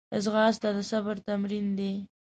ځغاسته د صبر تمرین دی